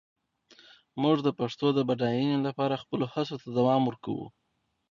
موږ د پښتو د بډاینې لپاره خپلو هڅو ته دوام ورکوو.